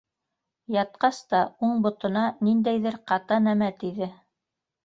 Ятҡас та уң ботона ниндәйҙер ҡаты нәмә тейҙе.